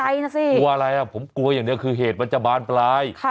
วงว่าอะไรผมกลัวอย่างนี้เหตุมันจะบานปลาย